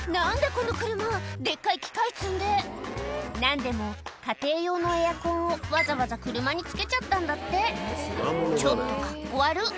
この車デッカい機械積んで何でも家庭用のエアコンをわざわざ車に付けちゃったんだってちょっとカッコ悪